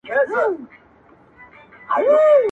که هر څو یې پښې تڼاکي په ځغستا کړې-